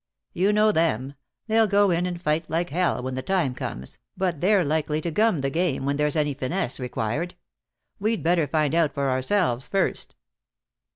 "You know them. They'll go in and fight like hell when the time comes, but they're likely to gum the game where there's any finesse required. We'd better find out for ourselves first."